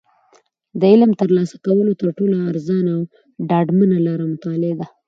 د علم د ترلاسه کولو تر ټولو ارزانه او ډاډمنه لاره مطالعه ده.